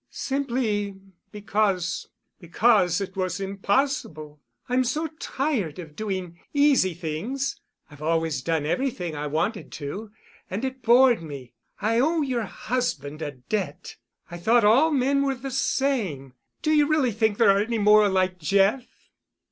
"Simply because—because it was impossible. I'm so tired of doing easy things. I've always done everything I wanted to, and it bored me. I owe your husband a debt. I thought all men were the same. Do you really think there are any more like Jeff?"